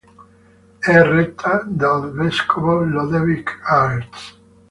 È retta dal vescovo Lodewijk Aerts.